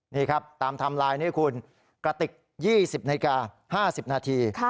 นี่ครับตามไทม์ไลน์นี้คุณกระติก๒๐นาฬิกา๕๐นาที